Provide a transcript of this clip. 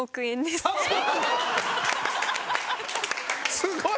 すごい！